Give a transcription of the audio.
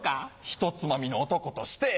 ひとつまみの男として。